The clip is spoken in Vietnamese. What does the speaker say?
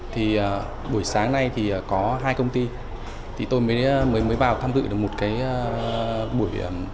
thì buổi sáng nay thì có hai công ty thì tôi mới vào tham dự được một cái buổi